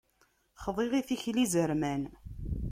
Xḍiɣ i tikli izerman.